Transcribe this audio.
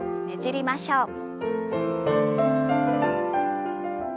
ねじりましょう。